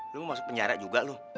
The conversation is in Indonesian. lu mau masuk penjara juga lu